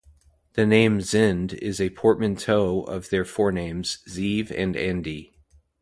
The name Zend is a portmanteau of their forenames, Zeev and Andi.